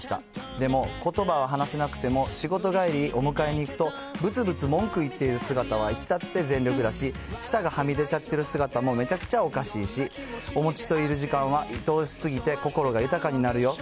でもことばは話せなくても、仕事帰りにお迎えに行くと、ぶつぶつ文句言ってる姿はいつだって全力だし、舌がはみ出ちゃってる姿もめちゃくちゃおかしいし、おもちといる時間はいとおしすぎて心が豊かになるよ。